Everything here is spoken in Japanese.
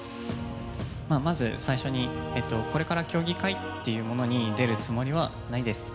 まず最初に、これから競技会っていうものに出るつもりはないです。